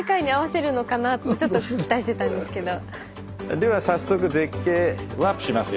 では早速絶景へワープしますよ。